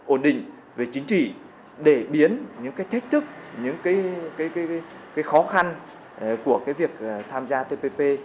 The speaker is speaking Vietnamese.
ổn định về chính trị để biến những cái thách thức những cái khó khăn của cái việc tham gia tpp